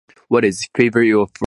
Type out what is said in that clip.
What is crayberry oat fo—